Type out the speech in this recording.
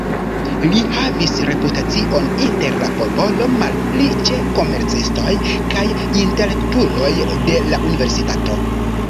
Li havis reputacion inter la popolo, malpli ĉe komercistoj kaj intelektuloj de la universitato.